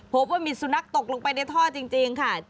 พบว่ามีสุนัขตกลงไปในท่อจริงค่ะ